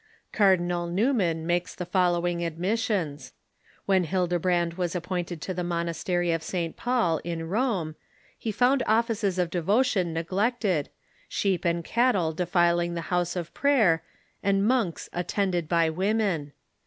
Cardinal Newman makes the following admissions : When Hildebrand Avas appointed to the monastery of St, Paul in Rome he found offices of devotion neglected, sheep and cattle defiling the house of prayer, and monks attended by women.